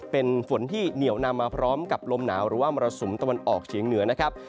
เป็นฝนที่เหนียวนำมาพร้อมกับลมหนาวหรือว่ามรสุมตะวันออกเฉียงเหนือนะครับ